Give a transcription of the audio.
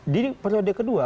di periode kedua